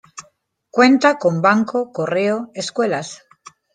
Cuenta, con banco, correo, escuelas.